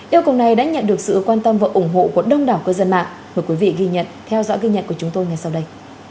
yêu cầu này đã nhận được sự quan tâm và ủng hộ của đông đảo cư dân mạng mời quý vị ghi nhận theo dõi ghi nhận của chúng tôi ngay sau đây